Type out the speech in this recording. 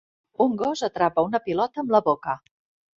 Un gos atrapa una pilota amb la boca.